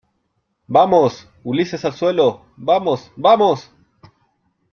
¡ vamos ! Ulises , al suelo , vamos .¡ vamos !